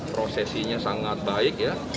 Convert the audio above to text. prosesinya sangat baik ya